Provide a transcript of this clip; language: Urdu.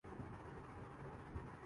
اصل کمی ہے۔